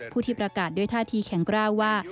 ผู้ที่ประกาศด้วยท่าทีแข็งกล้าวว่า